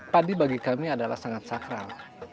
padi bagi kami adalah sangat sakral